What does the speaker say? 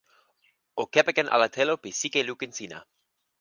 o kepeken ala telo pi sike lukin sina.